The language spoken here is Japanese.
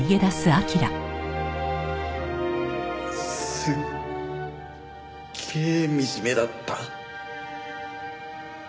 すっげえ惨めだった。